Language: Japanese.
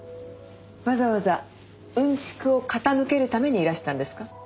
わざわざ薀蓄を傾けるためにいらしたんですか？